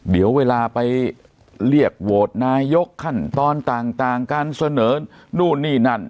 เดี๋ยวเวลาไปเรียกโหวตนายกขั้นตอนต่างการเสนอนู่นนี่นั่น